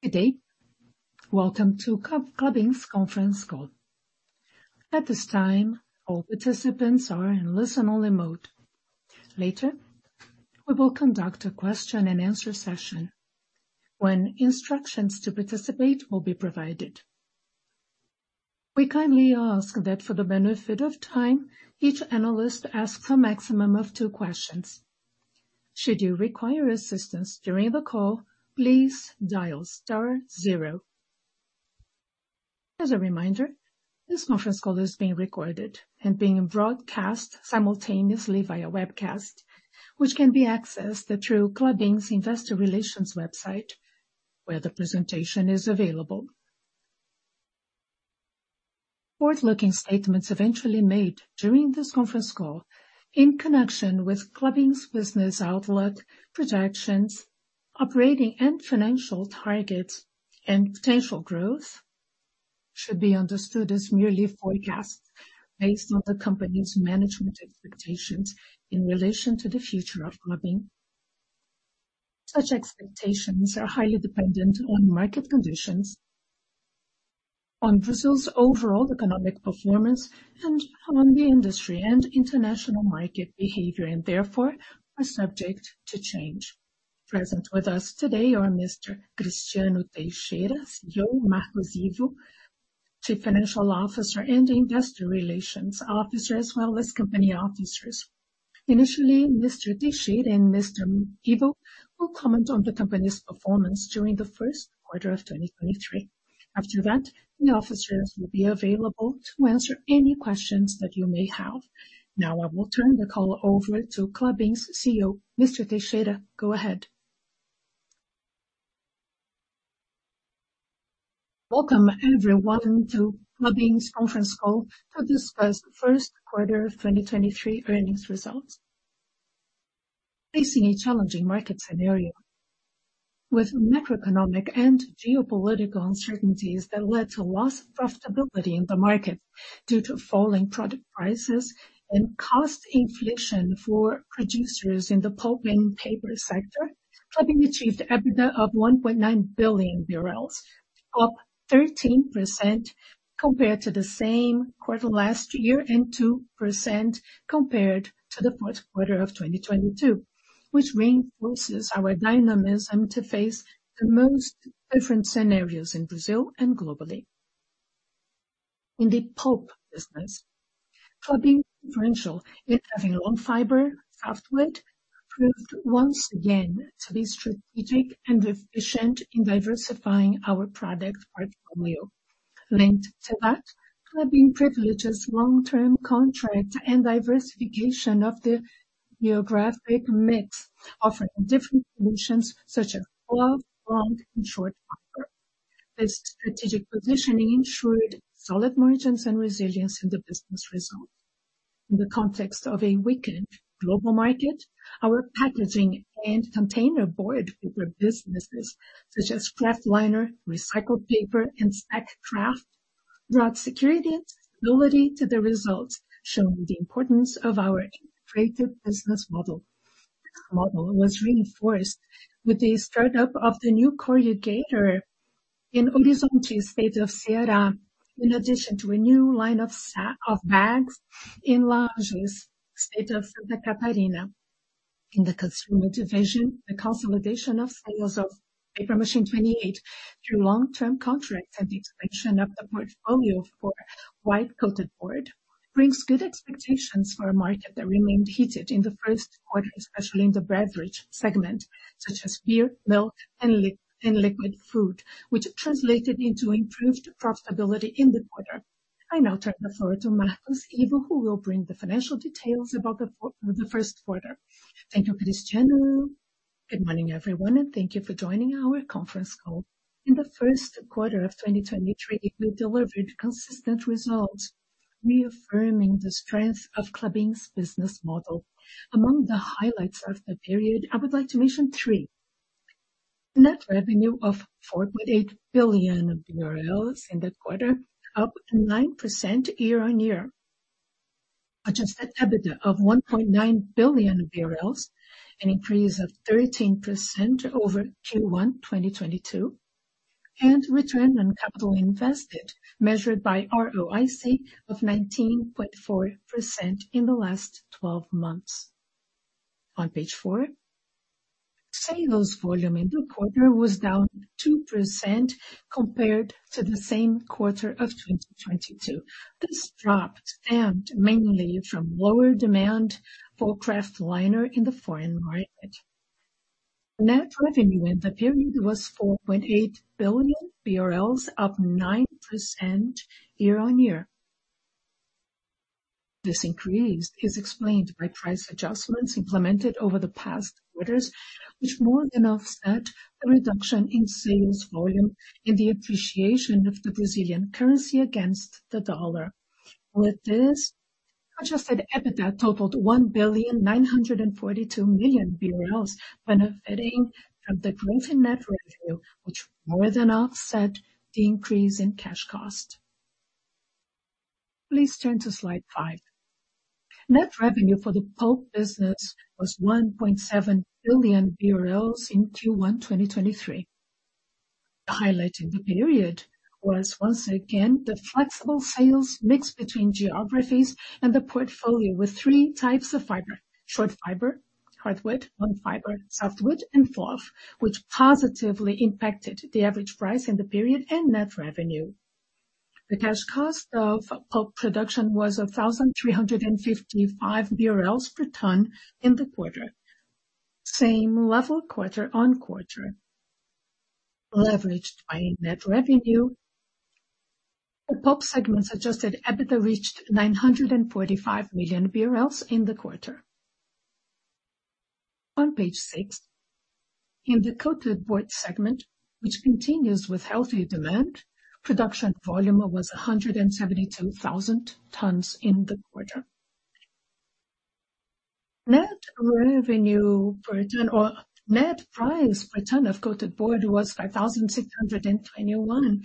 Good day. Welcome to Klabin's conference call. At this time, all participants are in listen only mode. Later, we will conduct a question and answer session when instructions to participate will be provided. We kindly ask that for the benefit of time, each analyst asks a maximum of two questions. Should you require assistance during the call, please dial star zero. As a reminder, this conference call is being recorded and being broadcast simultaneously via webcast, which can be accessed through Klabin's investor relations website, where the presentation is available. Forward-looking statements eventually made during this conference call in connection with Klabin's business outlook, projections, operating and financial targets, and potential growth should be understood as merely forecasts based on the company's management expectations in relation to the future of Klabin. Such expectations are highly dependent on market conditions, on Brazil's overall economic performance, and on the industry and international market behavior, and therefore are subject to change. Present with us today are Mr. Cristiano Teixeira, CEO, Marcos Ivo, Chief Financial Officer, and Investor Relations Officer, as well as company officers. Initially, Mr. Teixeira and Mr. Ivo will comment on the company's performance during the first quarter of 2023. After that, the officers will be available to answer any questions that you may have. Now I will turn the call over to Klabin's CEO. Mr. Teixeira, go ahead. Welcome everyone to Klabin's conference call to discuss the first quarter of 2023 earnings results. Facing a challenging market scenario with macroeconomic and geopolitical uncertainties that led to loss of profitability in the market due to falling product prices and cost inflation for producers in the pulp and paper sector, Klabin achieved EBITDA of BRL 1.9 billion, up 13% compared to the same quarter last year, and 2% compared to the fourth quarter of 2022, which reinforces our dynamism to face the most different scenarios in Brazil and globally. In the pulp business, Klabin differential in having own fiber afterward proved once again to be strategic and efficient in diversifying our product portfolio. Linked to that, Klabin privileges long-term contract and diversification of the geographic mix, offering different solutions such as pulp, long, and short fiber. This strategic positioning ensured solid margins and resilience in the business result. In the context of a weakened global market, our packaging and containerboard paper businesses, such as kraftliner, recycled paper, and Sack Kraft, brought security and stability to the results, showing the importance of our integrated business model. Model was reinforced with the start-up of the new corrugator in Horizonte state of Ceará, in addition to a new line of bags in Lages state of Santa Catarina. In the consumer division, the consolidation of sales of Paper Machine 28 through long-term contracts and the expansion of the portfolio for white coated board brings good expectations for a market that remained heated in the first quarter, especially in the beverage segment such as beer, milk, and liquid food, which translated into improved profitability in the quarter. I now turn the floor to Marcos Ivo, who will bring the financial details about the first quarter. Thank you, Cristiano. Good morning, everyone, and thank you for joining our conference call. In the first quarter of 2023, we delivered consistent results, reaffirming the strength of Klabin's business model. Among the highlights of the period, I would like to mention three. Net revenue of BRL 4.8 billion in that quarter, up 9% year-on-year. Adjusted EBITDA of 1.9 billion BRL, an increase of 13% over Q1 2022. Return on capital invested, measured by ROIC of 19.4% in the last 12 months. On page 4, sales volume in the quarter was down 2% compared to the same quarter of 2022. This dropped and mainly from lower demand for kraftliner in the foreign market. Net revenue in the period was 4.8 billion BRL, up 9% year-on-year. This increase is explained by price adjustments implemented over the past quarters, which more than offset the reduction in sales volume and the appreciation of the Brazilian currency against the dollar. With this, adjusted EBITDA totaled 1,942 million BRL benefiting from the growth in net revenue, which more than offset the increase in cash costs. Please turn to slide five. Net revenue for the pulp business was BRL 1.7 billion in Q1 2023. The highlight in the period was once again the flexible sales mix between geographies and the portfolio, with three types of fiber: short fiber, hardwood, long fiber, softwood, and fluff, which positively impacted the average price in the period and net revenue. The cash cost of pulp production was 1,355 BRL per ton in the quarter. Same level quarter-over-quarter. Leveraged by net revenue, the pulp segment's adjusted EBITDA reached 945 million BRL in the quarter. On page six, in the coated board segment, which continues with healthy demand, production volume was 172,000 tons in the quarter. Net revenue per ton or net price per ton of coated board was 5,621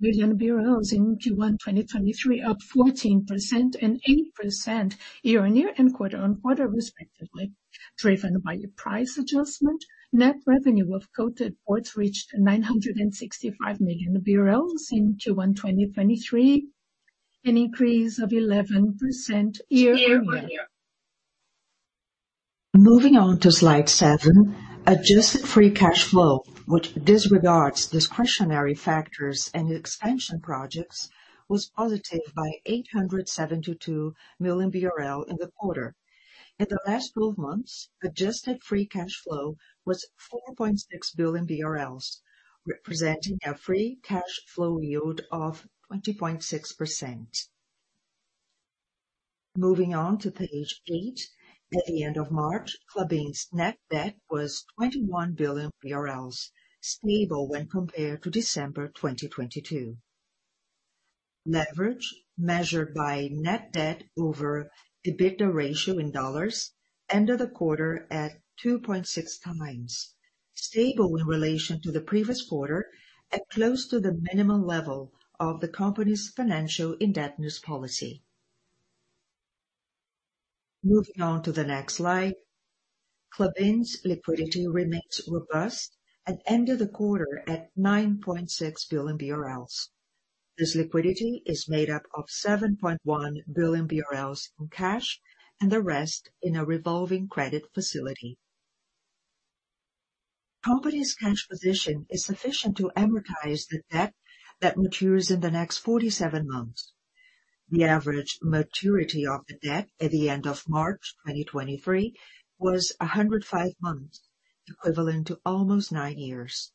million BRL in Q1 2023, up 14% and 8% year-on-year and quarter-on-quarter respectively. Driven by price adjustment, net revenue of coated boards reached BRL 965 million in Q1 2023, an increase of 11% year-on-year. Moving on to slide 7. Adjusted free cash flow, which disregards discretionary factors and expansion projects, was positive by 872 million BRL in the quarter. In the last 12 months, adjusted free cash flow was 4.6 billion BRL, representing a free cash flow yield of 20.6%. Moving on to page 8. At the end of March, Klabin's net debt was 21 billion BRL, stable when compared to December 2022. Leverage, measured by net debt over the EBITDA ratio in dollars, ended the quarter at 2.6x, stable in relation to the previous quarter, at close to the minimum level of the company's financial indebtedness policy. Moving on to the next slide. Klabin's liquidity remains robust and ended the quarter at 9.6 billion BRL. This liquidity is made up of 7.1 billion BRL in cash and the rest in a revolving credit facility. Company's cash position is sufficient to amortize the debt that matures in the next 47 months. The average maturity of the debt at the end of March 2023 was 105 months, equivalent to almost nine years.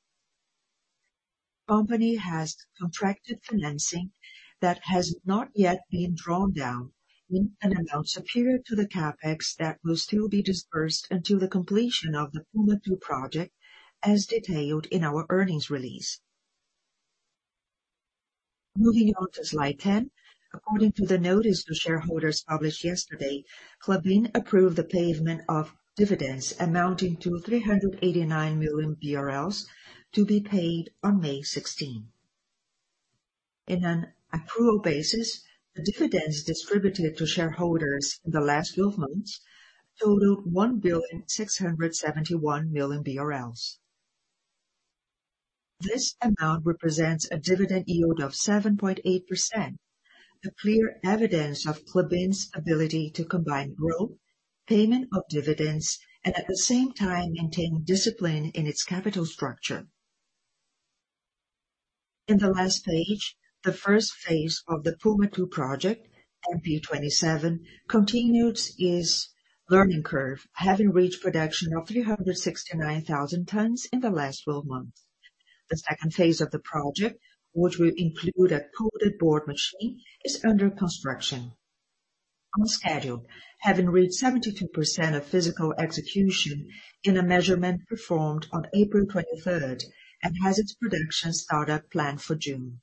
Company has contracted financing that has not yet been drawn down in an amount superior to the CapEx that will still be disbursed until the completion of the Puma II Project, as detailed in our earnings release. Moving on to slide 10. According to the notice to shareholders published yesterday, Klabin approved the payment of dividends amounting to 389 million BRL to be paid on May 16. In an accrual basis, the dividends distributed to shareholders in the last 12 months totaled 1.671 billion. This amount represents a dividend yield of 7.8%, a clear evidence of Klabin's ability to combine growth, payment of dividends, and at the same time maintaining discipline in its capital structure. In the last page, the first phase of the Puma II Project, MP27, continues its learning curve, having reached production of 369,000 tons in the last 12 months. The second phase of the project, which will include a coated board machine, is under construction on schedule, having reached 72% of physical execution in a measurement performed on April 23rd, and has its production startup planned for June.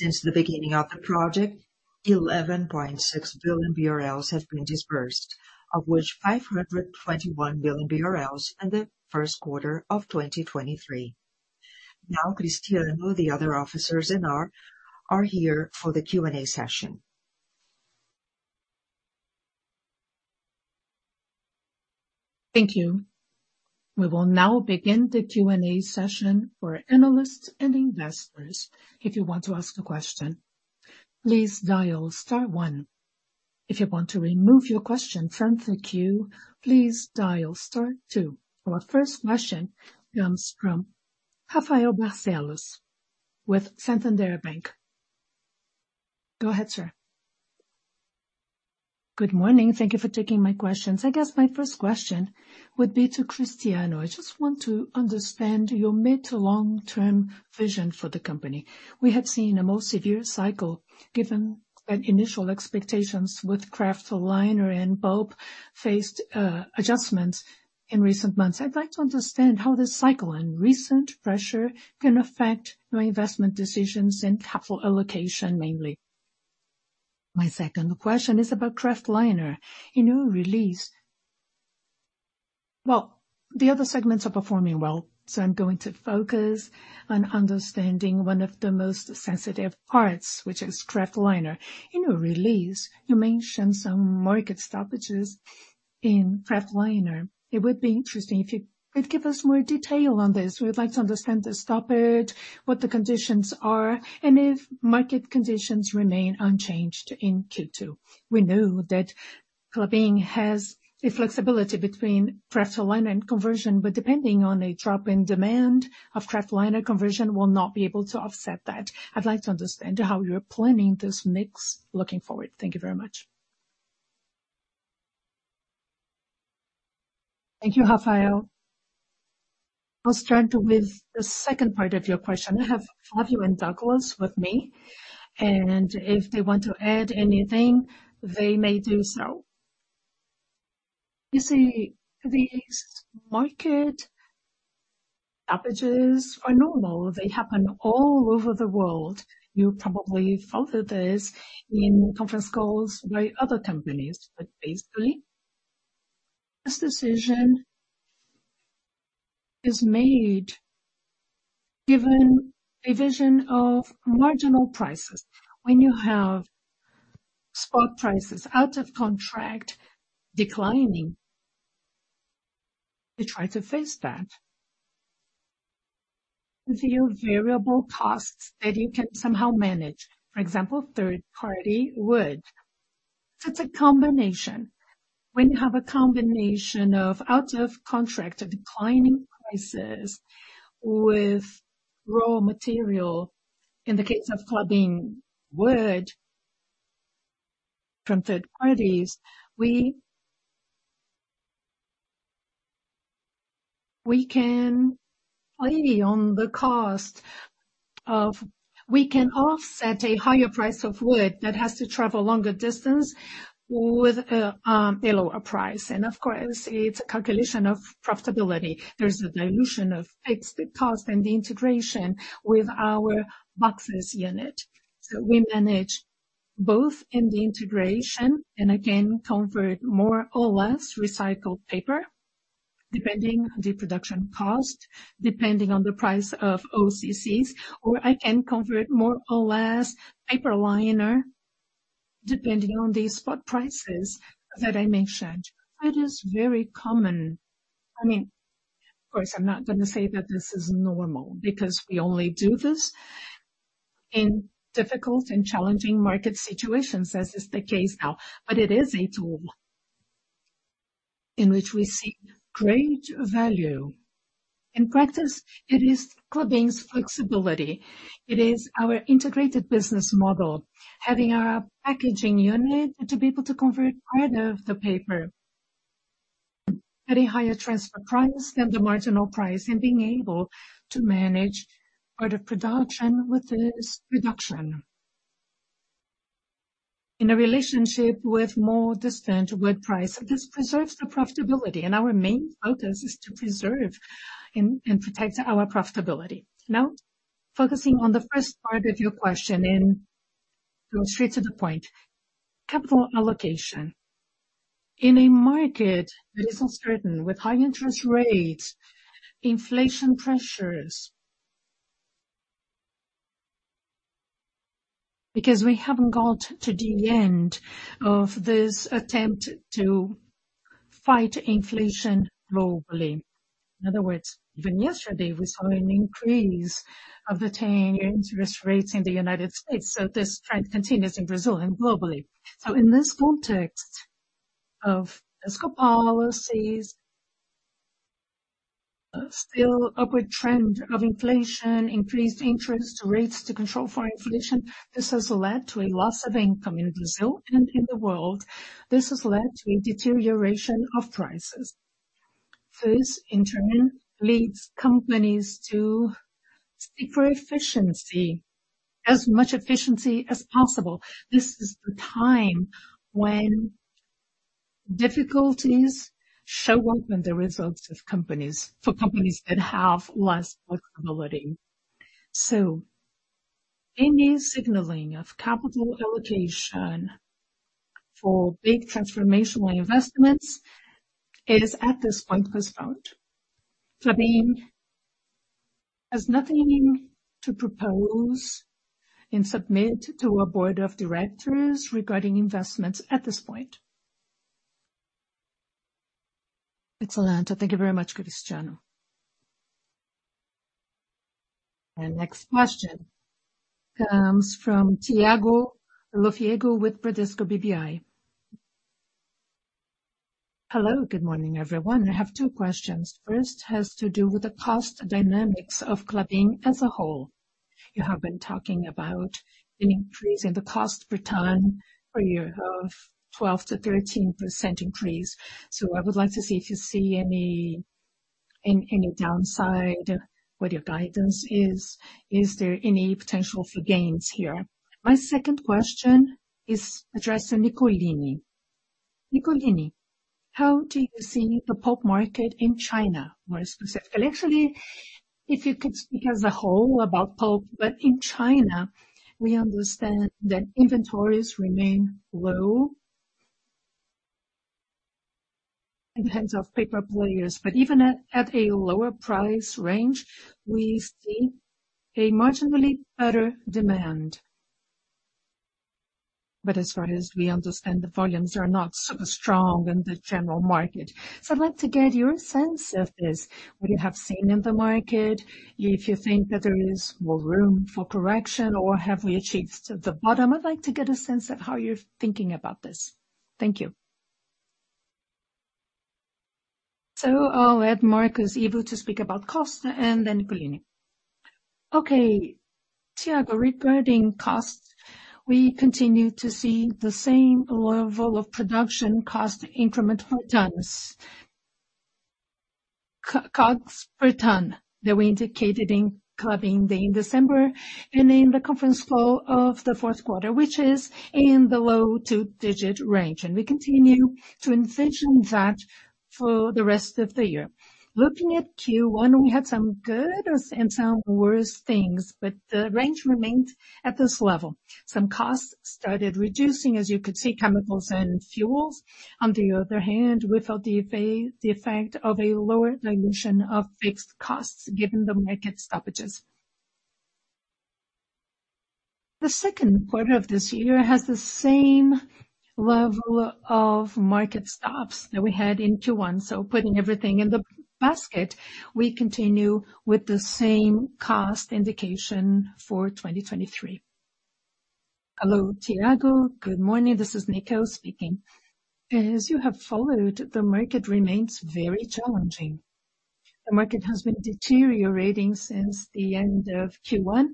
Since the beginning of the project, 11.6 billion BRL have been disbursed, of which 521 billion BRL in the first quarter of 2023. Now, Cristiano, the other officers and I are here for the Q&A session. Thank you. We will now begin the Q&A session for analysts and investors. If you want to ask a question, please dial star one. If you want to remove your question from the queue, please dial star two. Our first question comes from. Go ahead, sir. Good morning. Thank you for taking my questions. I guess my first question would be to Cristiano. I just want to understand your mid to long-term vision for the company. We have seen a more severe cycle given that initial expectations with kraftliner and pulp faced adjustments in recent months. I'd like to understand how this cycle and recent pressure can affect your investment decisions and capital allocation, mainly. My second question is about kraftliner. In your release. Well, the other segments are performing well. I'm going to focus on understanding one of the most sensitive parts, which is kraftliner. In your release, you mentioned some market stoppages in kraftliner. It would be interesting if you could give us more detail on this. We would like to understand the stoppage, what the conditions are, and if market conditions remain unchanged in Q2. We know that Klabin has a flexibility between kraftliner and conversion. Depending on a drop in demand of kraftliner, conversion will not be able to offset that. I'd like to understand how you're planning this mix looking forward. Thank you very much. Thank you, Rafael. I'll start with the second part of your question. I have Fabio and Douglas with me, and if they want to add anything, they may do so. You see, these market stoppages are normal. They happen all over the world. You probably followed this in conference calls by other companies. Basically, this decision is made given a vision of marginal prices. When you have spot prices out of contract declining, you try to face that with your variable costs that you can somehow manage. For example, third party wood. It's a combination. When you have a combination of out of contract declining prices with raw material, in the case of Klabin, wood from third parties, we can only we can offset a higher price of wood that has to travel longer distance with a lower price. Of course, it's a calculation of profitability. There's a dilution of fixed cost and the integration with our boxes unit. We manage both in the integration and again, convert more or less recycled paper depending on the production cost, depending on the price of OCCs, or I can convert more or less paper liner depending on the spot prices that I mentioned. That is very common. I mean, of course, I'm not gonna say that this is normal because we only do this in difficult and challenging market situations as is the case now. It is a tool in which we see great value. In practice, it is Klabin's flexibility. It is our integrated business model, having our packaging unit to be able to convert part of the paper at a higher transfer price than the marginal price, and being able to manage part of production with this reduction. In a relationship with more distant wood price, this preserves the profitability, our main focus is to preserve and protect our profitability. Now, focusing on the first part of your question and go straight to the point, capital allocation. In a market that is uncertain with high interest rates, inflation pressures because we haven't got to the end of this attempt to fight inflation globally. In other words, even yesterday we saw an increase of the 10-year interest rates in the United States. This trend continues in Brazil and globally. In this context of fiscal policies, still upward trend of inflation, increased interest rates to control for inflation, this has led to a loss of income in Brazil and in the world. This has led to a deterioration of prices. This in turn leads companies to seek for efficiency, as much efficiency as possible. This is the time when difficulties show up in the results of companies for companies that have less flexibility. Any signaling of capital allocation for big transformational investments is at this point postponed. Klabin has nothing to propose and submit to a board of directors regarding investments at this point. Excellent. Thank you very much, Cristiano. Our next question comes from Thiago Lofiego with Bradesco BBI. Hello, good morning, everyone. I have two questions. First has to do with the cost dynamics of Klabin as a whole. You have been talking about an increase in the cost per ton per year of 12%-13% increase. I would like to see if you see any downside, what your guidance is. Is there any potential for gains here? My second question is addressing Nicolini. Nicolini, how do you see the pulp market in China more specifically? If you could speak as a whole about pulp, in China, we understand that inventories remain low in terms of paper players, even at a lower price range, we see a marginally better demand. As far as we understand, the volumes are not super strong in the general market. I'd like to get your sense of this, what you have seen in the market, if you think that there is more room for correction or have we achieved the bottom? I'd like to get a sense of how you're thinking about this. Thank you. I'll let Marcos Ivo to speak about cost and then Nicolini. Okay, Tiago, regarding costs, we continue to see the same level of production cost increment for tons. COGS per ton that we indicated in Klabin Day in December and in the conference call of the fourth quarter, which is in the low 2-digit range. We continue to envision that for the rest of the year. Looking at Q1, we had some good and some worse things, but the range remained at this level. Some costs started reducing, as you could see, chemicals and fuels. On the other hand, we felt the effect of a lower dilution of fixed costs given the market stoppages. The second quarter of this year has the same level of market stops that we had in Q1. Putting everything in the basket, we continue with the same cost indication for 2023. Hello, Tiago. Good morning. This is Nicole speaking. As you have followed, the market remains very challenging. The market has been deteriorating since the end of Q1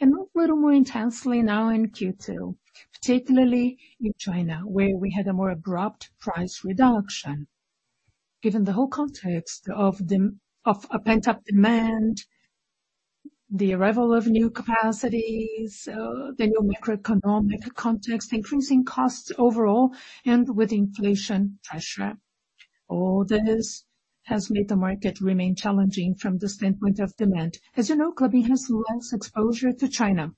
and a little more intensely now in Q2, particularly in China, where we had a more abrupt price reduction. Given the whole context of a pent-up demand, the arrival of new capacities, the new macroeconomic context, increasing costs overall, and with inflation pressure, all this has made the market remain challenging from the standpoint of demand. As you know, Klabin has less exposure to China,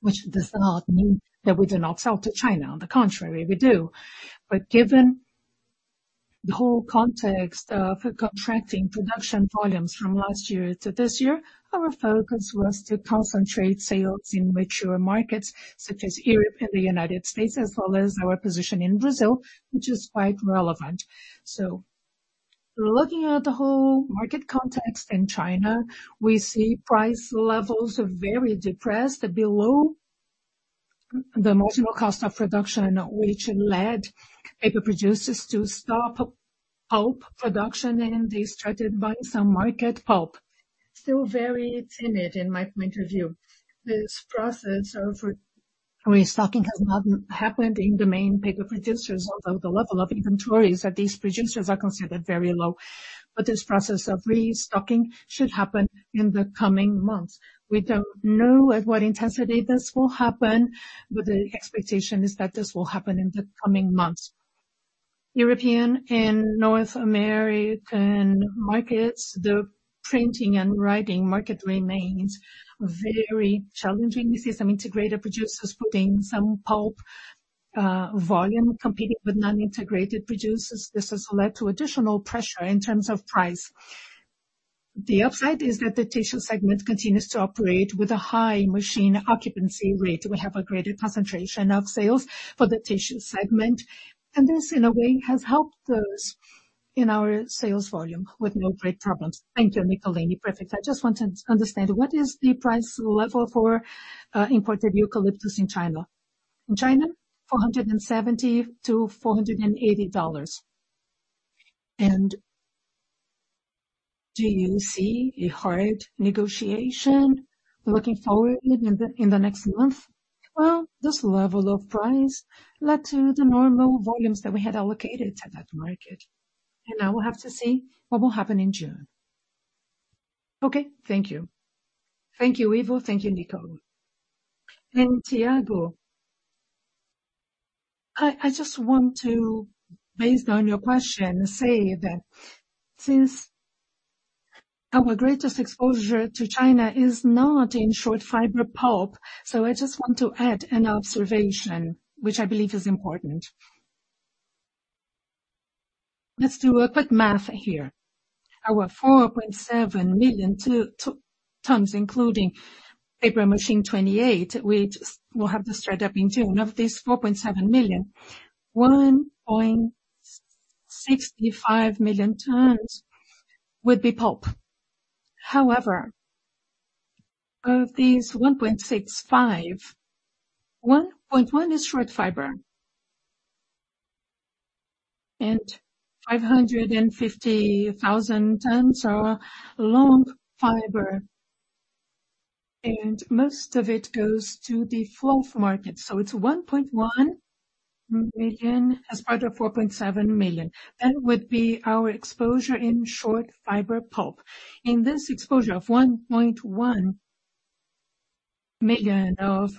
which does not mean that we do not sell to China. On the contrary, we do. Given the whole context of contracting production volumes from last year to this year, our focus was to concentrate sales in mature markets such as Europe and the United States, as well as our position in Brazil, which is quite relevant. Looking at the whole market context in China, we see price levels are very depressed, below the marginal cost of production, which led paper producers to stop pulp production and they started buying some market pulp. Still very timid in my point of view. This process of restocking has not happened in the main paper producers, although the level of inventories at these producers are considered very low. This process of restocking should happen in the coming months. We don't know at what intensity this will happen, but the expectation is that this will happen in the coming months. European and North American markets, the printing and writing market remains very challenging. We see some integrated producers putting some pulp volume competing with non-integrated producers. This has led to additional pressure in terms of price. The upside is that the tissue segment continues to operate with a high machine occupancy rate. We have a greater concentration of sales for the tissue segment, and this, in a way, has helped us in our sales volume with no great problems. Thank you, Nicolini. Perfect. I just want to understand, what is the price level for imported eucalyptus in China? In China, $470-$480. Do you see a hard negotiation looking forward in the next month? Well, this level of price led to the normal volumes that we had allocated to that market. Now we'll have to see what will happen in June. Okay. Thank you. Thank you, Ivo. Thank you, Nico. Tiago, I just want to, based on your question, say that since our greatest exposure to China is not in short fiber pulp, I just want to add an observation, which I believe is important. Let's do a quick math here. Our 4.7 million tons, including Paper Machine 28, which we'll have to start up in June. Of these 4.7 million, 1.65 million tons would be pulp. However, of these 1.65, 1.1 is short fiber and 550,000 tons are long fiber, and most of it goes to the fluff market. It's 1.1 million as part of 4.7 million. That would be our exposure in short fiber pulp. In this exposure of 1.1 million of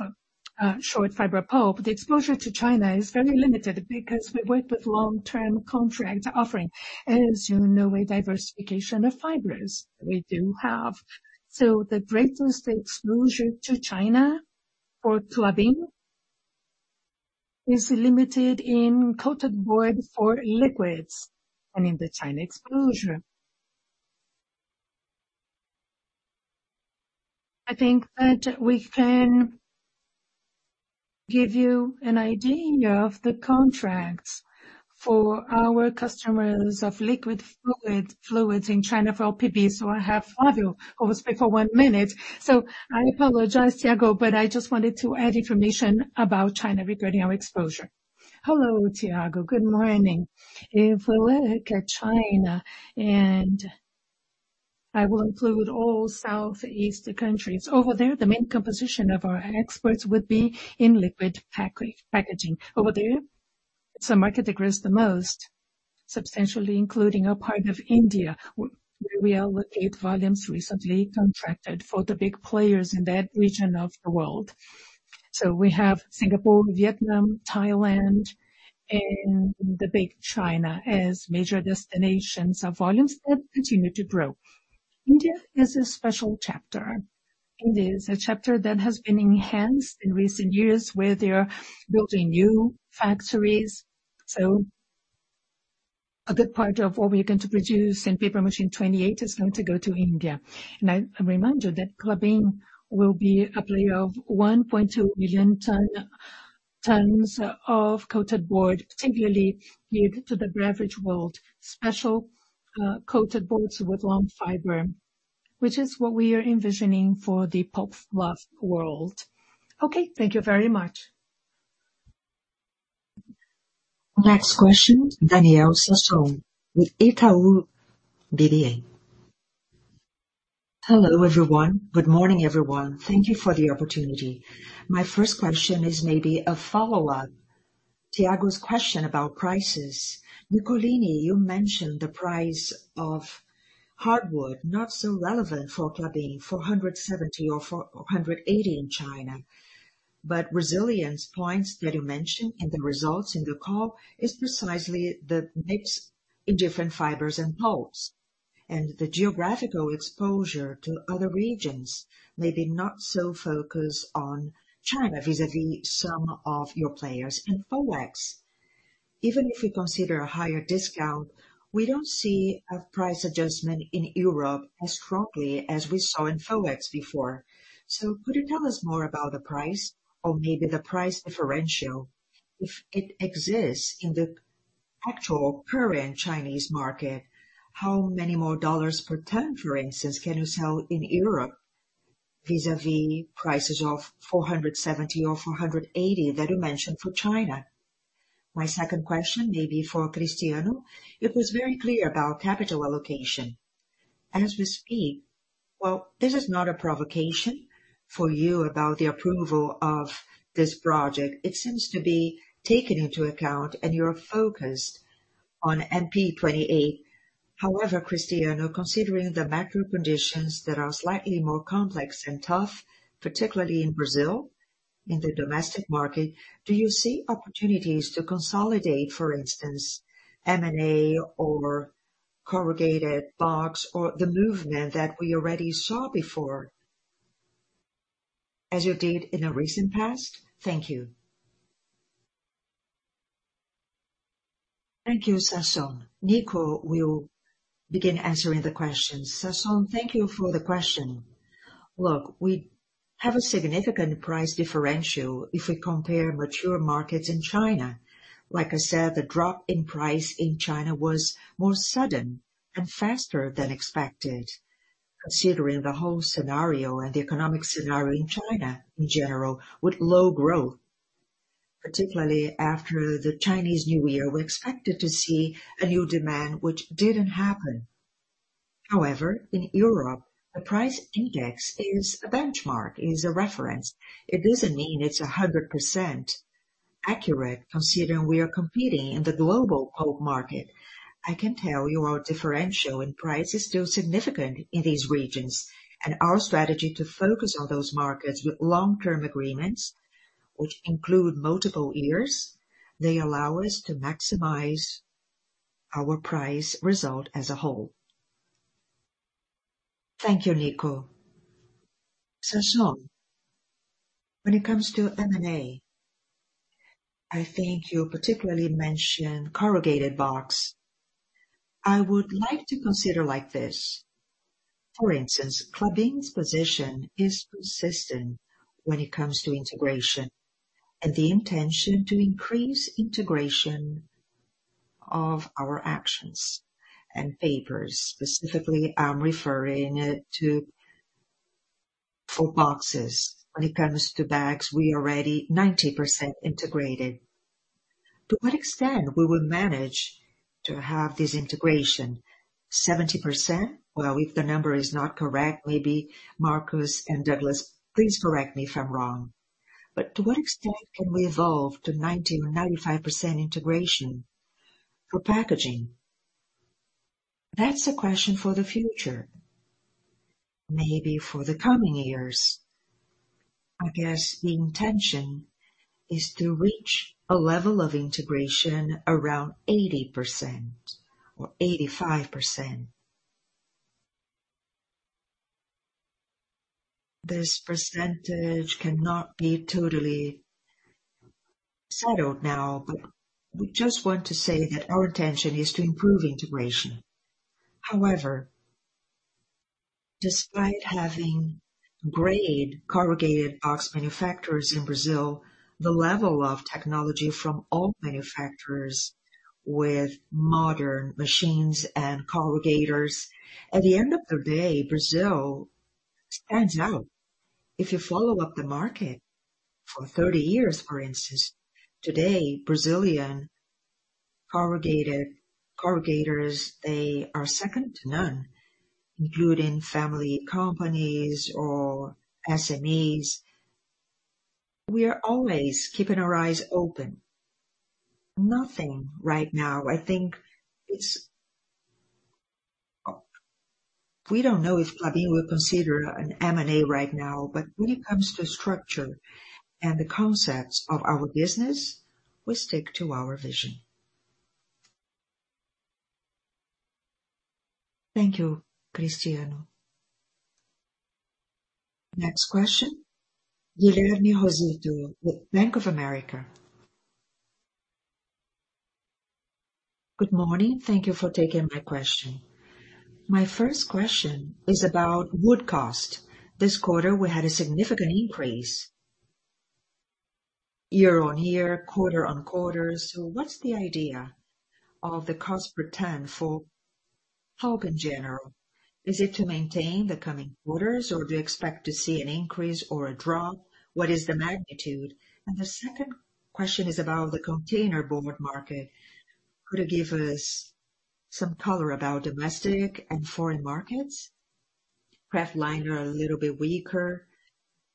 short fiber pulp. The exposure to China is very limited because we work with long-term contract offering. As you know, a diversification of fibers we do have. The greatest exposure to China for Klabin is limited in coated board for liquids and in the China exposure. I think that we can give you an idea of the contracts for our customers of liquid fluid, fluids in China for LPB, so I have Fabio who will speak for one minute. I apologize, Tiago, but I just wanted to add information about China regarding our exposure. Hello, Tiago. Good morning. If we look at China, I will include all Southeast countries. Over there, the main composition of our exports would be in liquid packaging. Over there, it's a market that grows the most, substantially including a part of India, where we allocate volumes recently contracted for the big players in that region of the world. We have Singapore, Vietnam, Thailand, and the big China as major destinations of volumes that continue to grow. India is a special chapter. It is a chapter that has been enhanced in recent years, where they are building new factories. A good part of what we're going to produce in Paper Machine 28 is going to go to India. Now, I remind you that Klabin will be a player of 1.2 billion tons of coated board, particularly geared to the beverage world. Special, coated boards with long fiber, which is what we are envisioning for the pulpworld. Okay, thank you very much. Next question, Daniel Sasson with Itaú BBA. Hello, everyone. Good morning, everyone. Thank you for the opportunity. My first question is maybe a follow-up Thiago's question about prices. Nicolini, you mentioned the price of hardwood, not so relevant for Klabin, $470 or $480 in China. Resilience points that you mentioned in the results in the call is precisely the mix in different fibers and pulps. The geographical exposure to other regions, maybe not so focused on China vis-a-vis some of your players in FOEX. Even if we consider a higher discount, we don't see a price adjustment in Europe as strongly as we saw in Forex before. Could you tell us more about the price or maybe the price differential, if it exists in the actual current Chinese market, how many more dollars per ton, for instance, can you sell in Europe vis-a-vis prices of $470 or $480 that you mentioned for China? My second question may be for Cristiano. It was very clear about capital allocation. As we speak, well, this is not a provocation for you about the approval of this project. It seems to be taken into account and you are focused on MP28. Cristiano, considering the macro conditions that are slightly more complex and tough, particularly in Brazil, in the domestic market, do you see opportunities to consolidate, for instance, M&A or corrugated box or the movement that we already saw before as you did in the recent past? Thank you. Thank you, Sasson. Nico will begin answering the question. Sasson, thank you for the question. Look, we have a significant price differential if we compare mature markets in China. Like I said, the drop in price in China was more sudden and faster than expected, considering the whole scenario and the economic scenario in China in general with low growth. Particularly after the Chinese New Year, we expected to see a new demand which didn't happen. However, in Europe, the price index is a benchmark, is a reference. It doesn't mean it's 100% accurate considering we are competing in the global pulp market. I can tell you our differential in price is still significant in these regions and our strategy to focus on those markets with long-term agreements, which include multiple years, they allow us to maximize our price result as a whole. Thank you, Nico. Sasson, when it comes to M&A, I think you particularly mentioned corrugated box. I would like to consider like this. For instance, Klabin's position is persistent when it comes to integration and the intention to increase integration of our actions and papers. Specifically, I'm referring to for boxes. When it comes to bags, we are already 90% integrated. To what extent we will manage to have this integration? 70%? Well, if the number is not correct, maybe Marcus and Douglas, please correct me if I'm wrong. To what extent can we evolve to 90% or 95% integration for packaging? That's a question for the future, maybe for the coming years. I guess the intention is to reach a level of integration around 80% or 85%. This percentage cannot be totally settled now, we just want to say that our intention is to improve integration. However, despite having grade corrugated box manufacturers in Brazil, the level of technology from all manufacturers with modern machines and corrugators, at the end of the day, Brazil stands out. If you follow up the market for 30 years, for instance, today, Brazilian corrugated corrugators, they are second to none, including family companies or SMEs. We are always keeping our eyes open. Nothing right now. I think We don't know if Klabin would consider an M&A right now, when it comes to structure and the concepts of our business, we stick to our vision. Thank you, Cristiano. Next question, Guilherme Rosito with Bank of America. Good morning. Thank you for taking my question. My first question is about wood cost. This quarter, we had a significant increase year-over-year, quarter-over-quarter. What's the idea of the cost per ton for pulp in general? Is it to maintain the coming quarters, or do you expect to see an increase or a drop? What is the magnitude? The second question is about the containerboard market. Could you give us some color about domestic and foreign markets? kraftliner are a little bit weaker,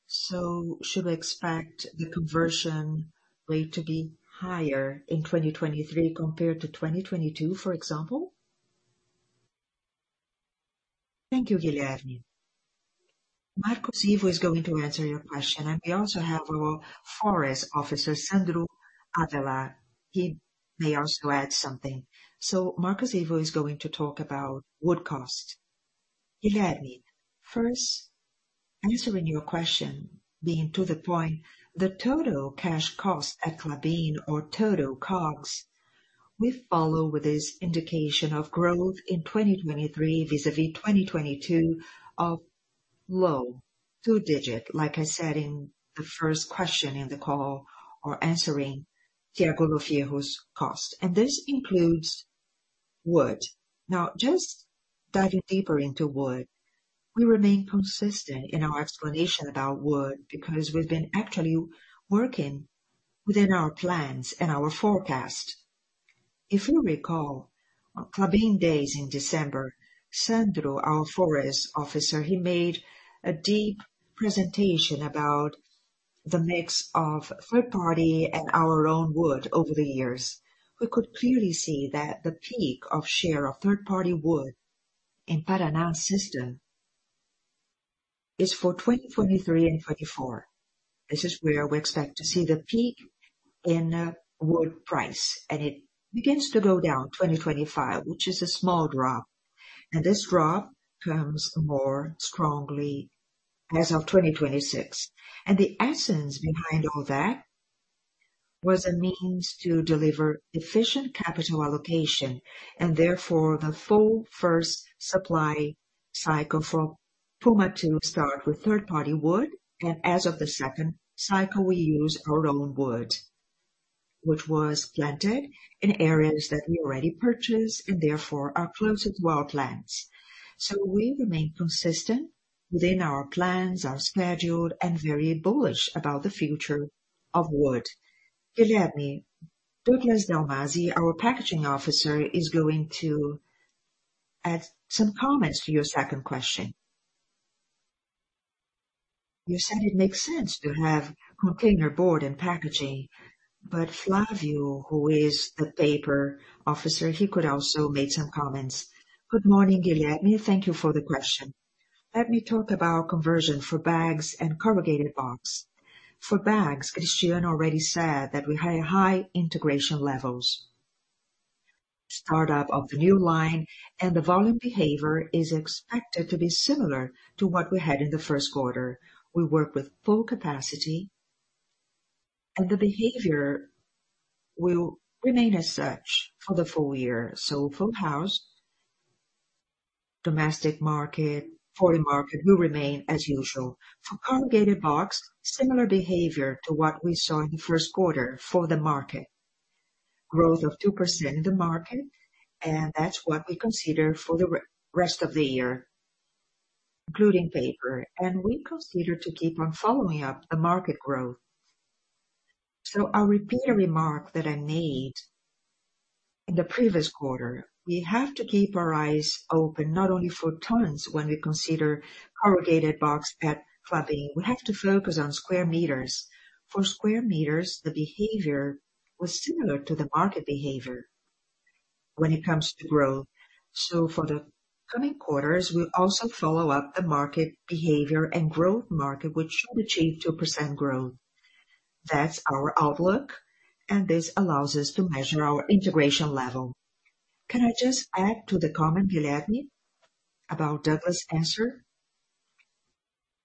so should we expect the conversion rate to be higher in 2023 compared to 2022, for example? Thank you, Guilherme. Marcos Ivo is going to answer your question, and we also have our forest officer, Sandro Avila. He may also add something. Marcos Ivo is going to talk about wood cost. Guilherme, first, answering your question, being to the point, the total cash cost at Klabin or total COGS, we follow with this indication of growth in 2023 vis-à-vis 2022 of low two-digit, like I said in the first question in the call or answering Thiago Lofiego's cost. This includes wood. Now, just diving deeper into wood, we remain consistent in our explanation about wood because we've been actually working within our plans and our forecast. If you recall, Klabin Day in December, Sandro, our Forest Officer, he made a deep presentation about the mix of third-party and our own wood over the years. We could clearly see that the peak of share of third-party wood in Paraná system is for 2023 and 2024. This is where we expect to see the peak in wood price. It begins to go down 2025, which is a small drop. This drop comes more strongly as of 2026. The essence behind all that was a means to deliver efficient capital allocation, and therefore, the full first supply cycle for Puma to start with third-party wood. As of the second cycle, we use our own wood, which was planted in areas that we already purchased, and therefore are close at wildlands. We remain consistent within our plans, our schedule, and very bullish about the future of wood. Guilherme, Douglas Dalmasi, our Packaging Director, is going to add some comments to your second question. You said it makes sense to have containerboard and packaging. Flavio, who is the paper officer, he could also make some comments. Good morning, Guilherme. Thank you for the question. Let me talk about conversion for bags and corrugated box. For bags, Cristiano already said that we had high integration levels. Startup of the new line and the volume behavior is expected to be similar to what we had in the first quarter. We work with full capacity, and the behavior will remain as such for the full year. Full house, domestic market, foreign market will remain as usual. For corrugated box, similar behavior to what we saw in the first quarter for the market. Growth of 2% in the market, and that's what we consider for the rest of the year, including paper. We consider to keep on following up the market growth. I'll repeat a remark that I made in the previous quarter. We have to keep our eyes open not only for tons when we consider corrugated box at Klabin. We have to focus on square meters. For square meters, the behavior was similar to the market behavior when it comes to growth. For the coming quarters, we'll also follow up the market behavior and growth market, which should achieve 2% growth. That's our outlook, and this allows us to measure our integration level. Can I just add to the comment, Liliane, about Douglas' answer?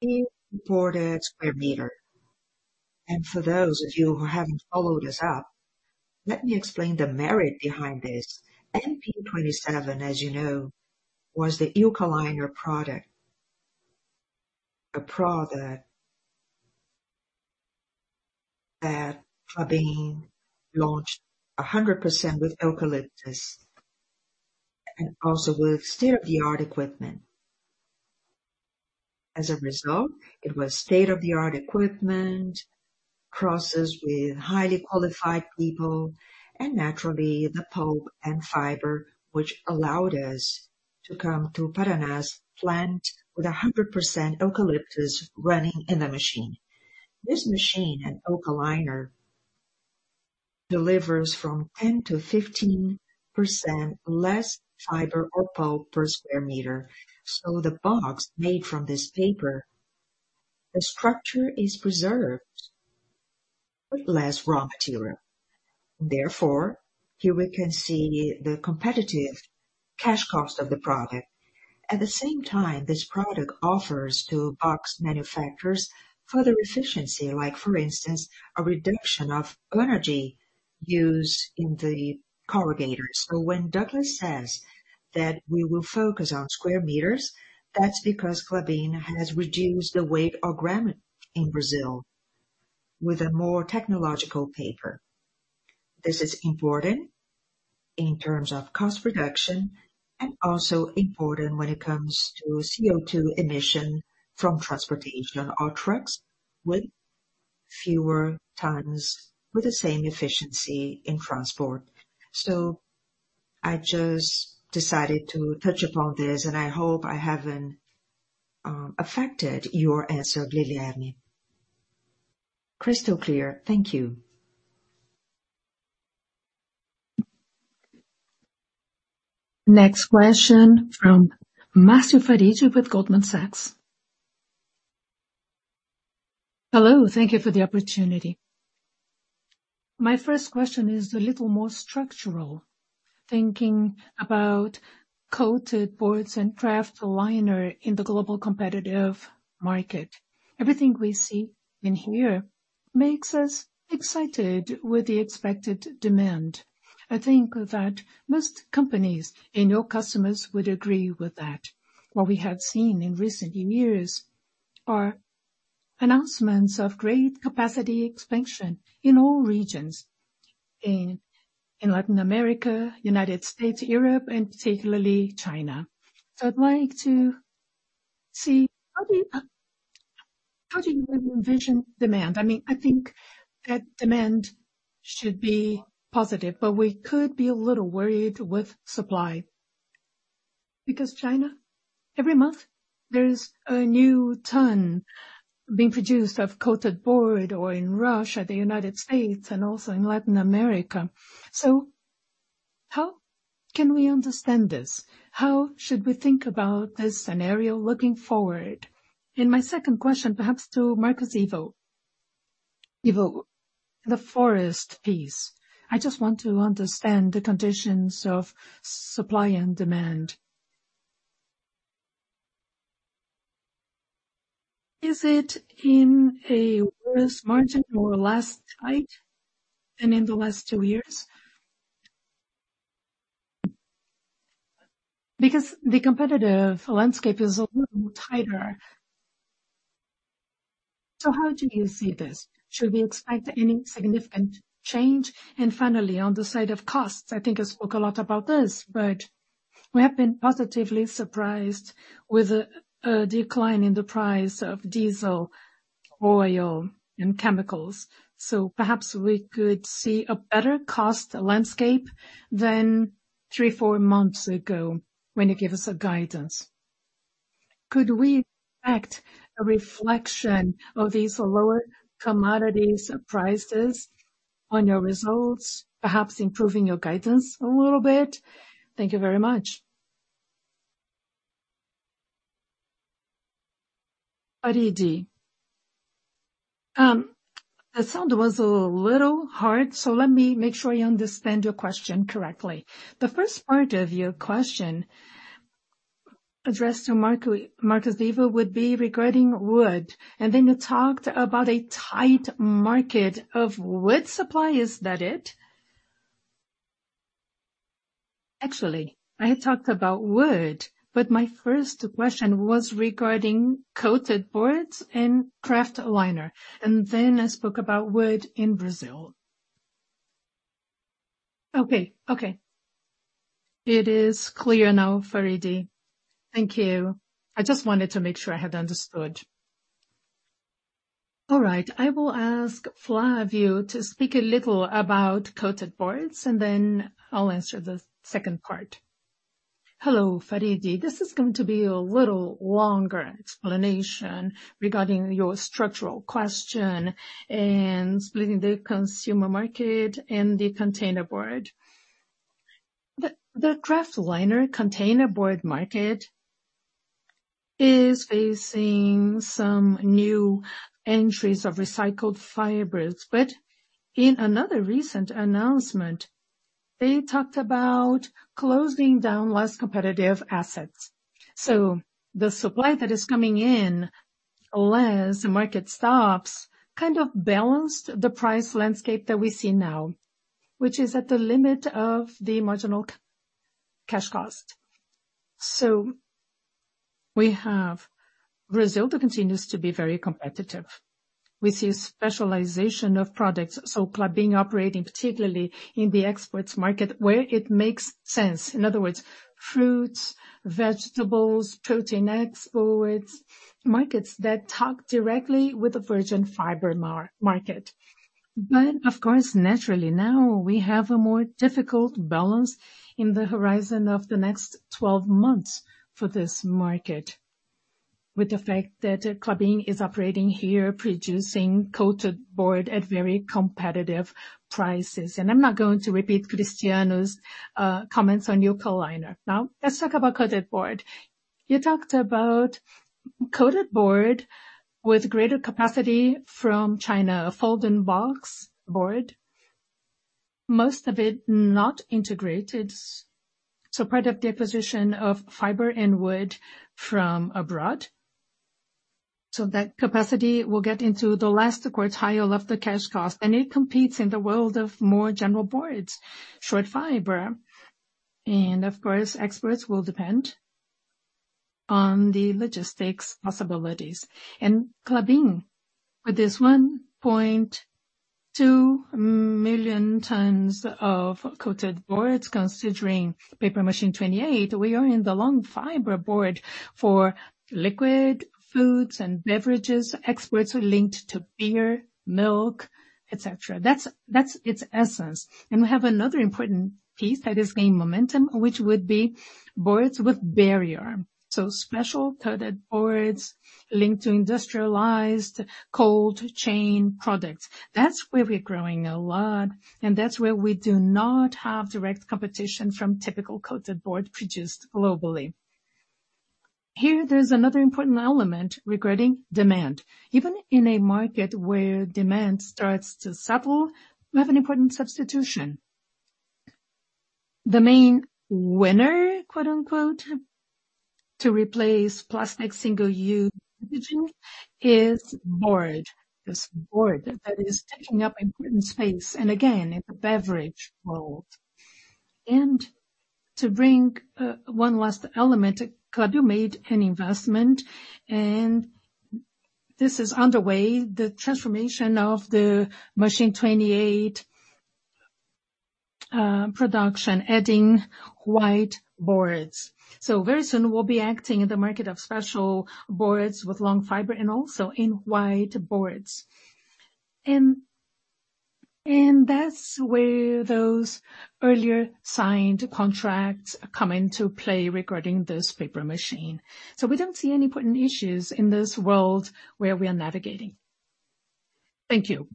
In quarter square meter, for those of you who haven't followed us up, let me explain the merit behind this. MP27, as you know, was the EucaLiner product. A product that are being launched 100% with eucalyptus and also with state-of-the-art equipment. As a result, it was state-of-the-art equipment crosses with highly qualified people and naturally the pulp and fiber which allowed us to come to Paraná's plant with 100% eucalyptus running in the machine. This machine at EucaLiner delivers from 10%-15% less fiber or pulp per square meter. The box made from this paper, the structure is preserved with less raw material. Therefore, here we can see the competitive cash cost of the product. At the same time, this product offers to box manufacturers further efficiency like, for instance, a reduction of energy used in the corrugator. When Douglas says that we will focus on square meters, that's because Klabin has reduced the weight or grammage in Brazil with a more technological paper. This is important in terms of cost reduction and also important when it comes to CO2 emission from transportation or trucks with fewer tons with the same efficiency in transport. I just decided to touch upon this, and I hope I haven't affected your answer, Liliane. Crystal clear. Thank you. Next question from Massimo Fariji with Goldman Sachs. Hello. Thank you for the opportunity. My first question is a little more structural, thinking about coated boards and kraftliner in the global competitive market. Everything we see in here makes us excited with the expected demand. I think that most companies and your customers would agree with that. What we have seen in recent years are announcements of great capacity expansion in all regions, in Latin America, United States, Europe, and particularly China. I'd like to see how do you envision demand? I mean, I think that demand should be positive, but we could be a little worried with supply. China, every month there is a new ton being produced of coated board or in Russia, the United States, and also in Latin America. How can we understand this? How should we think about this scenario looking forward? My second question, perhaps to Marcos Ivo. Ivo, the forest piece. I just want to understand the conditions of supply and demand. Is it in a worse margin or less tight than in the last two years? Because the competitive landscape is a little tighter. How do you see this? Should we expect any significant change? Finally, on the side of costs, I think I spoke a lot about this, but we have been positively surprised with a decline in the price of diesel, oil, and chemicals. Perhaps we could see a better cost landscape than three, four months ago when you give us a guidance. Could we expect a reflection of these lower commodity prices on your results, perhaps improving your guidance a little bit? Thank you very much. Faridi. The sound was a little hard, so let me make sure I understand your question correctly. The first part of your question addressed to Marcos Ivo would be regarding wood, and then you talked about a tight market of wood supply. Is that it? Actually, I had talked about wood, but my first question was regarding coated boards and kraftliner, and then I spoke about wood in Brazil. Okay. It is clear now, Faridi. Thank you. I just wanted to make sure I had understood. All right. I will ask Flavio to speak a little about coated boards, and then I'll answer the second part. Hello, Faridi. This is going to be a little longer explanation regarding your structural question and splitting the consumer market and the containerboard. The kraftliner containerboard market is facing some new entries of recycled fibers. In another recent announcement, they talked about closing down less competitive assets. The supply that is coming in less market stops kind of balanced the price landscape that we see now, which is at the limit of the marginal cash cost. We have Brazil that continues to be very competitive. We see specialization of products, Klabin operating particularly in the exports market where it makes sense. In other words, fruits, vegetables, protein exports, markets that talk directly with the virgin fiber market. Of course, naturally now we have a more difficult balance in the horizon of the next 12 months for this market, with the fact that Klabin is operating here producing coated board at very competitive prices. I'm not going to repeat Cristiano's comments on EucaLiner. Let's talk about coated board. You talked about coated board with greater capacity from China, a Folding Boxboard. Most of it not integrated, so part of the acquisition of fiber and wood from abroad. That capacity will get into the last quartile of the cash costs, and it competes in the world of more general boards, short fiber. Of course, exports will depend on the logistics possibilities. Klabin, with its 1.2 million tons of coated boards, considering Paper Machine 28, we are in the long fiber board for liquid foods and beverages. Exports are linked to beer, milk, et cetera. That's its essence. We have another important piece that is gaining momentum, which would be boards with barrier. Special coated boards linked to industrialized cold chain products. That's where we're growing a lot, and that's where we do not have direct competition from typical coated board produced globally. Here, there's another important element regarding demand. Even in a market where demand starts to settle, we have an important substitution. The main winner, quote-unquote, to replace plastic single-use packaging is board. Is board that is taking up important space, and again, in the beverage world. To bring one last element, Klabin made an investment and this is underway, the transformation of the machine 28 production adding white boards. Very soon we'll be acting in the market of special boards with long fiber and also in white boards. That's where those earlier signed contracts come into play regarding this paper machine. We don't see any important issues in this world where we are navigating. Thank you.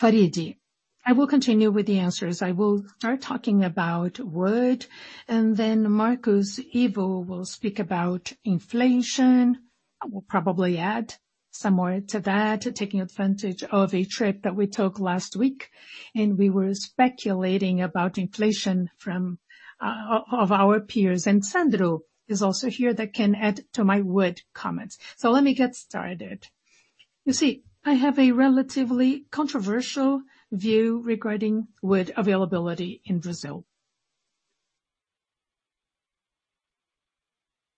Faridi, I will continue with the answers. I will start talking about wood and then Marcos Ivo will speak about inflation. I will probably add some more to that, taking advantage of a trip that we took last week, and we were speculating about inflation from of our peers. Sandro Avila is also here that can add to my wood comments. Let me get started. You see, I have a relatively controversial view regarding wood availability in Brazil.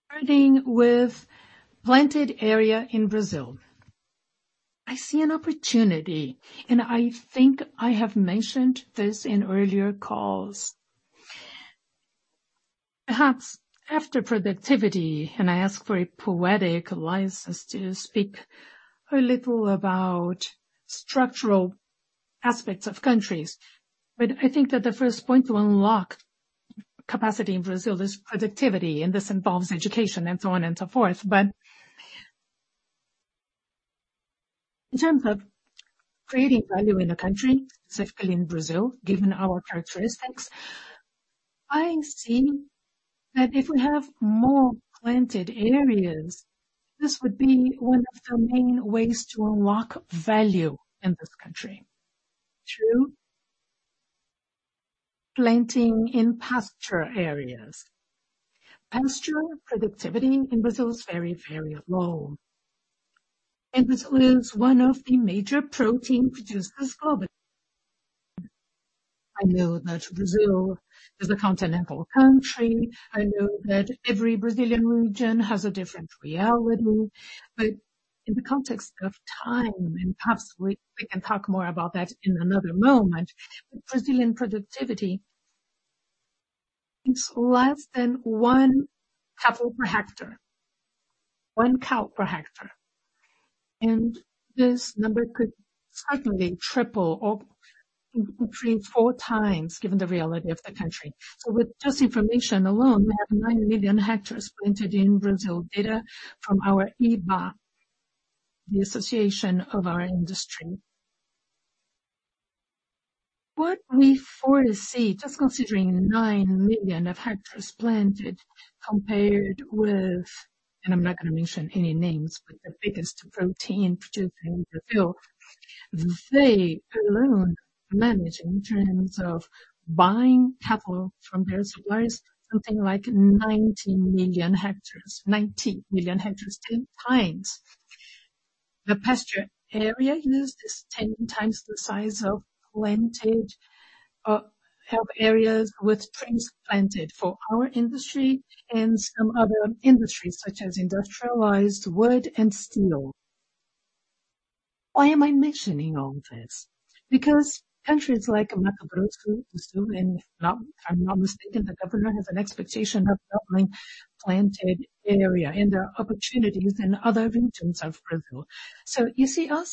Starting with planted area in Brazil. I see an opportunity, and I think I have mentioned this in earlier calls. Perhaps after productivity, and I ask for a poetic license to speak a little about structural aspects of countries. I think that the first point to unlock capacity in Brazil is productivity, and this involves education and so on and so forth. In terms of creating value in the country, specifically in Brazil, given our characteristics, I see that if we have more planted areas, this would be 1 of the main ways to unlock value in this country. Through planting in pasture areas. Pasture productivity in Brazil is very, very low, and Brazil is 1 of the major protein producers globally. I know that Brazil is a continental country. I know that every Brazilian region has a different reality. In the context of time, and perhaps we can talk more about that in another moment, Brazilian productivity is less than 1 cattle per hectare. One cow per hectare. This number could certainly triple or between 4 times given the reality of the country. With just information alone, we have 9 million hectares planted in Brazil, data from our Ibá, the association of our industry. What we foresee, just considering 9 million of hectares planted and I'm not gonna mention any names, but the biggest protein producer in Brazil. They alone manage in terms of buying cattle from their suppliers, something like 90 million hectares. 90 million hectares, 10 times. The pasture area used is 10 times the size of planted areas with trees planted for our industry and some other industries, such as industrialized wood and steel. Why am I mentioning all this? Because countries like Mato Grosso, and if I'm not mistaken, the government has an expectation of doubling planted area and opportunities in other regions of Brazil. You see our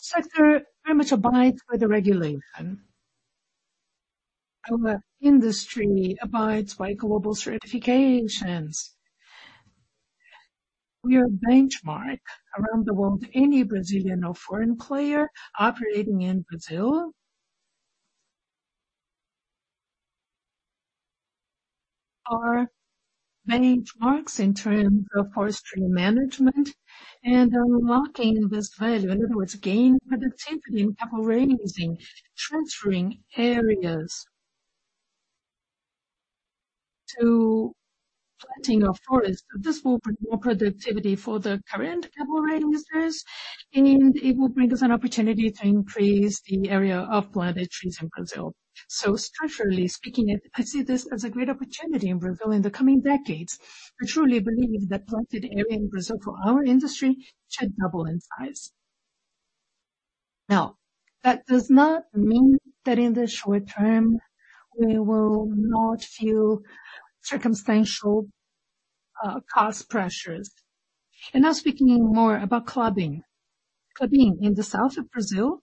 sector very much abides by the regulation. Our industry abides by global certifications. We are benchmarked around the world. Any Brazilian or foreign player operating in Brazil are benchmarks in terms of forestry management and are unlocking this value. In other words, gain productivity in cattle ranching, transferring areas to planting of forest. This will bring more productivity for the current cattle ranchers, and it will bring us an opportunity to increase the area of planted trees in Brazil. Structurally speaking, I see this as a great opportunity in Brazil in the coming decades. I truly believe that planted area in Brazil for our industry should double in size. That does not mean that in the short-term we will not feel circumstantial cost pressures. Now speaking more about Klabin. Klabin in the south of Brazil,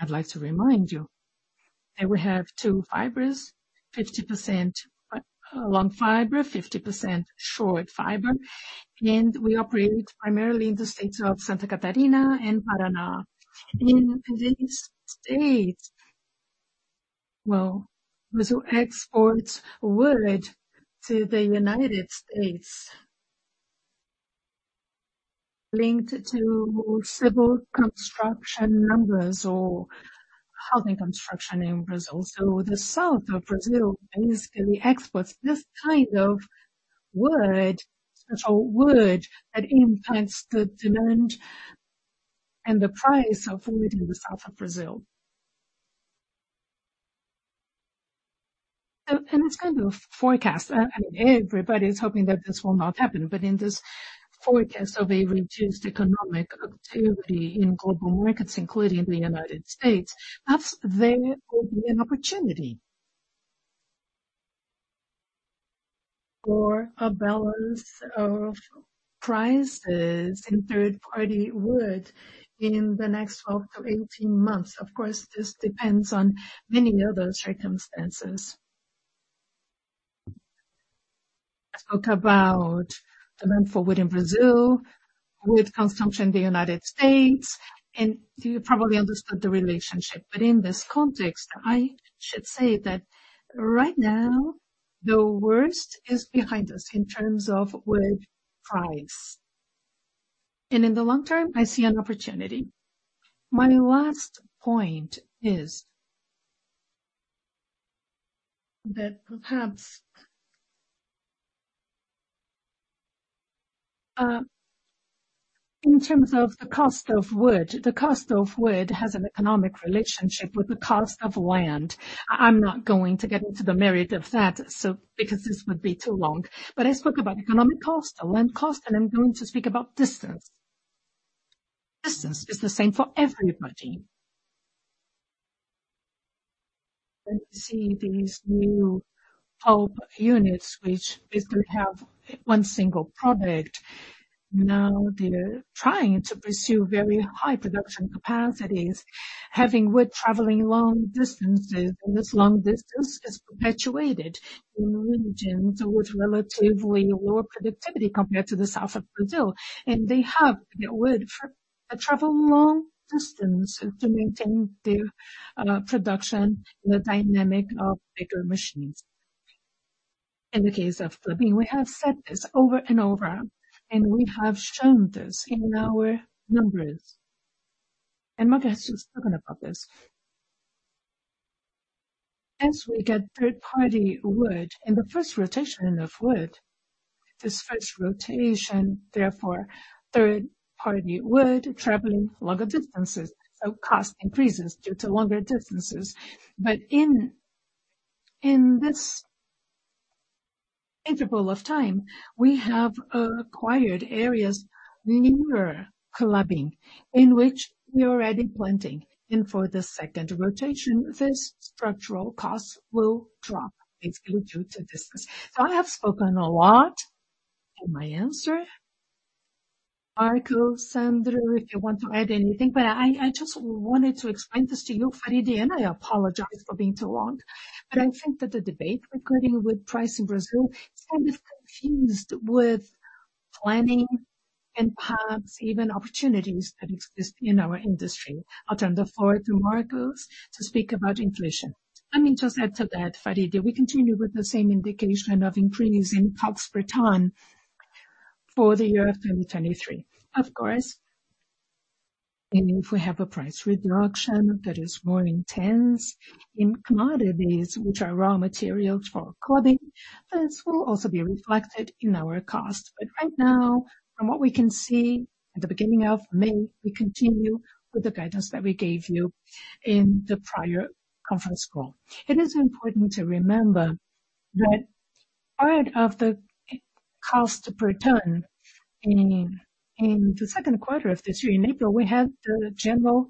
I'd like to remind you that we have two fibers, 50% long fiber, 50% short fiber, and we operate primarily in the states of Santa Catarina and Paraná. In these states, well, Brazil exports wood to the United States linked to civil construction numbers or housing construction in Brazil. The south of Brazil basically exports this kind of wood, special wood that influences the demand and the price of wood in the south of Brazil. It's kind of forecast. Everybody's hoping that this will not happen. In this forecast of a reduced economic activity in global markets, including the United States, that's then will be an opportunity for a balance of prices in third-party wood in the next 12 to 18 months. Of course, this depends on many other circumstances. Let's talk about demand for wood in Brazil, wood consumption in the United States, and you probably understood the relationship. In this context, I should say that right now the worst is behind us in terms of wood price. In the long term, I see an opportunity. My last point is that perhaps, in terms of the cost of wood, the cost of wood has an economic relationship with the cost of land. I'm not going to get into the merit of that because this would be too long. I spoke about economic cost and land cost, I'm going to speak about distance. Distance is the same for everybody. When we see these new pulp units, which is to have one single product, now they're trying to pursue very high production capacities, having wood traveling long distances, and this long distance is perpetuated in regions with relatively lower productivity compared to the south of Brazil. They have their wood travel long distance to maintain their production in the dynamic of bigger machines. In the case of Klabin, we have said this over and over, and we have shown this in our numbers. Marcos has spoken about this. As we get third-party wood in the first rotation of wood, this first rotation, therefore third-party wood traveling longer distances, so cost increases due to longer distances. In this Interval of time, we have acquired areas nearer Klabin, in which we are already planting. For the second rotation, this structural costs will drop, it's due to this. I have spoken a lot in my answer. Marco, Sandro, if you want to add anything. I just wanted to explain this to you, Fariji, and I apologize for being too long. I think that the debate regarding wood price in Brazil is kind of confused with planning and perhaps even opportunities that exist in our industry. I'll turn the floor to Marcos to speak about inflation. Let me just add to that, Fariji. We continue with the same indication of increase in COGS per ton for the year of 2023. Of course, if we have a price reduction that is more intense in commodities which are raw materials for Klabin, this will also be reflected in our cost. Right now, from what we can see at the beginning of May, we continue with the guidance that we gave you in the prior conference call. It is important to remember that part of the cost per ton in the second quarter of this year, in April, we had the general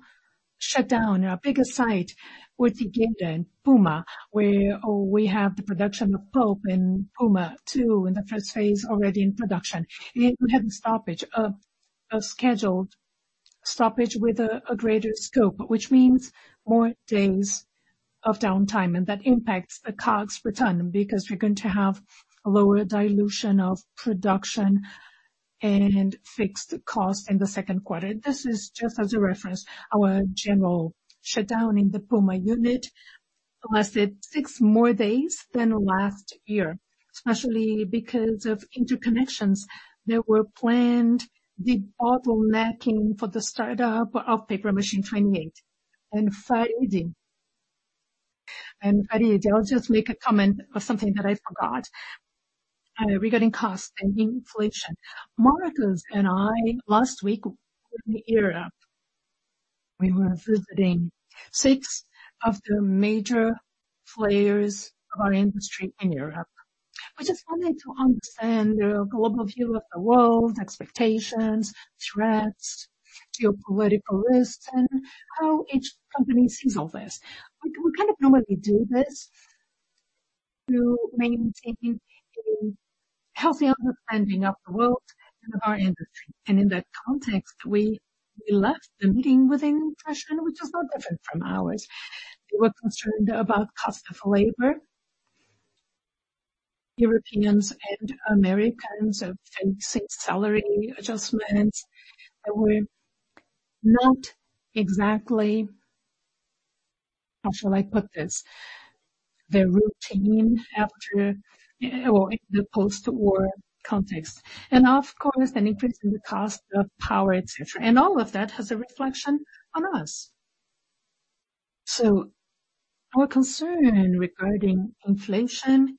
shutdown. Our biggest site, Ortigueira and Puma, where we have the production of pulp in Puma too, in the first phase already in production. We had a stoppage, a scheduled stoppage with a greater scope, which means more days of downtime. That impacts the COGS per ton because we're going to have lower dilution of production and fixed costs in the second quarter. This is just as a reference, our general shutdown in the Puma Unit lasted six more days than last year, especially because of interconnections that were planned, the bottlenecking for the startup of Paper Machine 28. Faridy, I'll just make a comment of something that I forgot regarding cost and inflation. Marcos and I last week were in Europe. We were visiting six of the major players of our industry in Europe. We just wanted to understand their global view of the world, expectations, threats, geopolitical risks, and how each company sees all this. We kind of normally do this to maintain a healthy understanding of the world and of our industry. In that context, we left the meeting with an impression which is no different from ours. They were concerned about cost of labor. Europeans and Americans are facing salary adjustments that were not exactly, how shall I put this, the routine after or in the post-war context. Of course, an increase in the cost of power, et cetera. All of that has a reflection on us. Our concern regarding inflation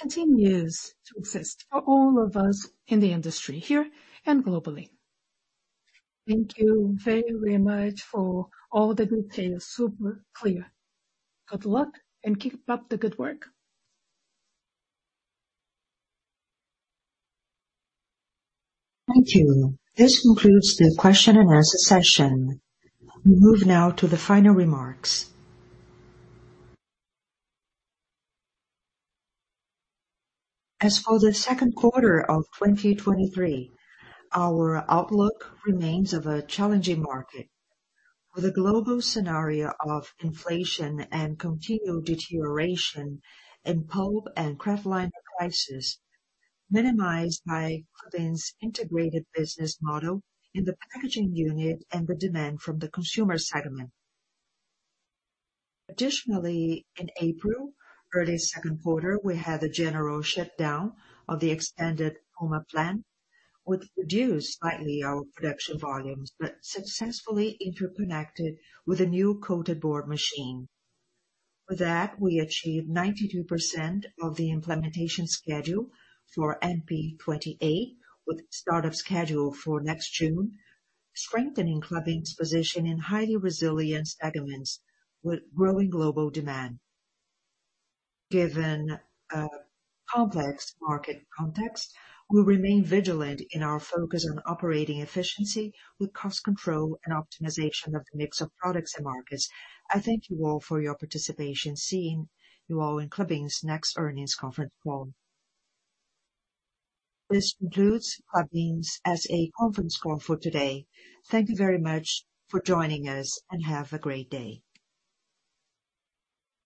continues to exist for all of us in the industry, here and globally. Thank you very, very much for all the details. Super clear. Good luck, and keep up the good work. Thank you. This concludes the question and answer session. We move now to the final remarks. As for the second quarter of 2023, our outlook remains of a challenging market with a global scenario of inflation and continued deterioration in pulp and kraftliner prices minimized by Klabin's integrated business model in the packaging unit and the demand from the consumer segment. Additionally, in April, early second quarter, we had a general shutdown of the expanded Puma plant, which reduced slightly our production volumes, but successfully interconnected with a new coated board machine. For that, we achieved 92% of the implementation schedule for MP28, with startup schedule for next June, strengthening Klabin's position in highly resilient segments with growing global demand. Given complex market context, we'll remain vigilant in our focus on operating efficiency with cost control and optimization of the mix of products and markets. I thank you all for your participation. Seeing you all in Klabin's next earnings conference call. This concludes Klabin S.A. conference call for today. Thank you very much for joining us, and have a great day.